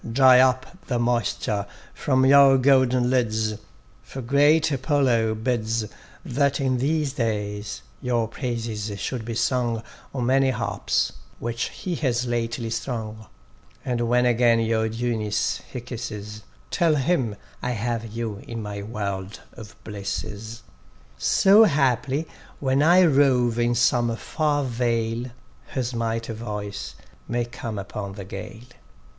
Dry up the moisture from your golden lids, For great Apollo bids That in these days your praises should be sung On many harps, which he has lately strung; And when again your dewiness he kisses, Tell him, I have you in my world of blisses: So haply when I rove in some far vale, His mighty voice may come upon the gale.